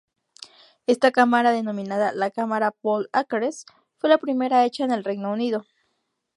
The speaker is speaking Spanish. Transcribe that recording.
Esta cámara denominada la "cámara Paul-Acres" fue la primera hecha en el Reino Unido.